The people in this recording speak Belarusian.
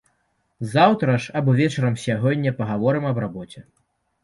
Заўтра ж або вечарам сягоння пагаворым аб рабоце.